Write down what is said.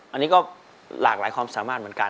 อันนี้ก็หลากหลายความสามารถเหมือนกัน